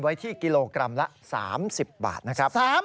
ไว้ที่กิโลกรัมละ๓๐บาทนะครับ